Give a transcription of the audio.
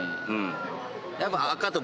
やっぱ。